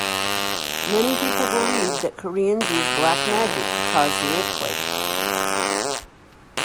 Many people believed that Koreans used black magic to cause the earthquake.